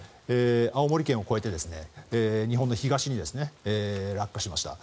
青森県を越えて日本の東に落下しました。